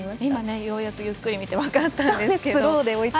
今、ようやくゆっくり見て分かったんですけど。